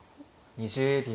２０秒。